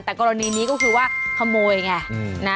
แต่กรณีนี้ก็คือว่าขโมยไงนะ